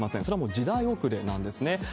それはもう時代遅れなんですね。